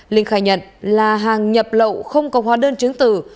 linh khai nhận là hàng nhập lậu không có hóa đơn chứng tử